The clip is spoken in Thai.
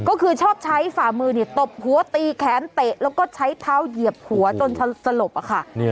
ก็คือชอบใช้ฝ่ามือตบหัวตีแขนเตะแล้วก็ใช้เท้าเหยียบหัวจนสลบค่ะ